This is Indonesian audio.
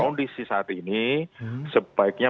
kondisi saat ini sebaiknya